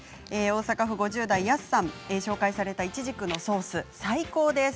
大阪府５０代の方紹介されたイチジクのソース最高です。